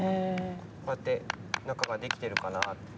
こうやって中が出来てるかなって。